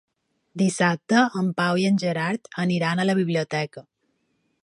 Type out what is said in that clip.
Dissabte en Pau i en Gerard aniran a la biblioteca.